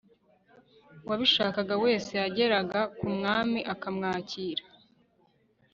uwabishakaga wese yageraga ku mwami akamwakira